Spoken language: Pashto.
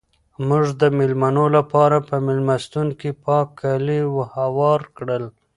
موږ د مېلمنو لپاره په مېلمستون کې پاک کالي هوار کړل.